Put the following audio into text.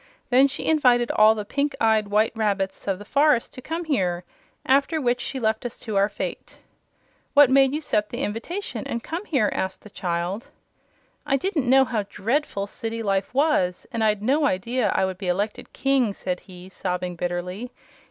Then she invited all the pink eyed white rabbits of the forest to come here, after which she left us to our fate." "What made you 'cept the invitation, and come here?" asked the child. "I didn't know how dreadful city life was, and I'd no idea I would be elected King," said he, sobbing bitterly.